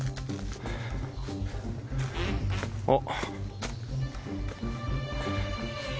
あっ。